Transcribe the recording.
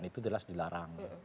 itu jelas dilarang